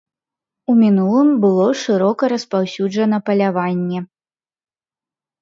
У мінулым было шырока распаўсюджана паляванне.